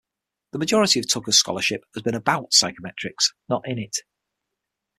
The majority of Tucker's scholarship has been about psychometrics, not in it.